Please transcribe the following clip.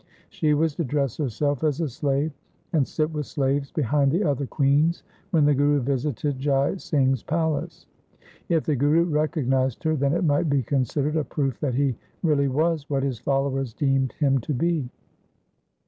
She was to dress herself as a slave, and sit with slaves behind the other queens when the Guru visited Jai Singh's palace. If the Guru recognized her, then it might be considered a proof that he really was what his followers deemed him to be.